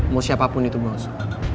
mau siapapun itu mau